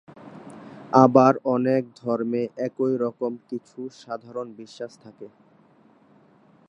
আবার অনেক ধর্মে একই রকম কিছু সাধারণ বিশ্বাস থাকে।